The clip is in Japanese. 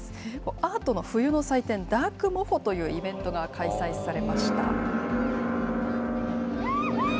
アートな冬の祭典、ダーク・モフォというイベントが開催されました。